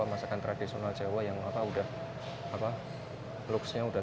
masakan tradisional jawa yang apa udah looksnya udah